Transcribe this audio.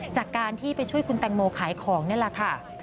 จากการที่ไปช่วยคุณแตงโมขายของนี่แหละค่ะ